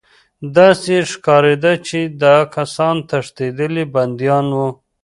داسې ښکارېده چې دا کسان تښتېدلي بندیان وو